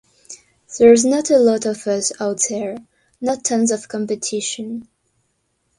There's not a lot of us out there, not tons of competition.